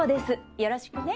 よろしくね。